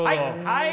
はい！